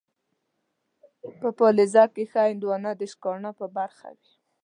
په پاليزه کې ښه هندوانه ، د شکاڼه په برخه وي.